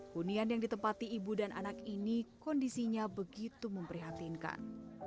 hunian yang ditempati ibu dan anak ini kondisinya begitu memprihatinkan